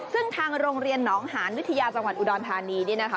ซึ่งทางโรงเรียนหนองหานวิทยาจังหวัดอุดรธานีนี่นะคะ